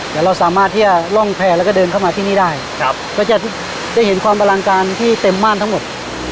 เดี๋ยวเราสามารถที่จะล่องแพร่แล้วก็เดินเข้ามาที่นี่ได้ครับก็จะได้เห็นความอลังการที่เต็มม่านทั้งหมด